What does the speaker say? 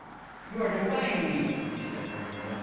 "'You are defying me,' he said, very low.